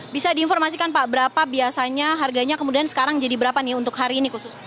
bisa diinformasikan pak berapa biasanya harganya kemudian sekarang jadi berapa nih untuk hari ini khusus